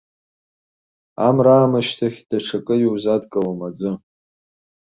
Амра аамышьҭахь, даҽакы иузадкылом аӡы.